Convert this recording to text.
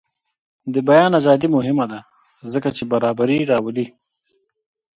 د بیان ازادي مهمه ده ځکه چې برابري راولي.